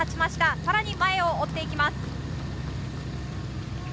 さらに前を追っていきます。